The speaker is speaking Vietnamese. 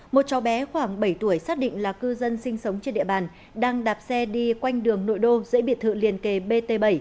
một cháu bé khoảng bảy tuổi xác định là cư dân sinh sống trên địa bàn đang đạp xe đi quanh đường nội đô giữa biệt thự liền kề bt bảy